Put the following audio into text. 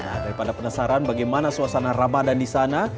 nah daripada penasaran bagaimana suasana ramadan di sana